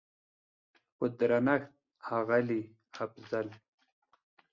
په درنښت اغلې افضل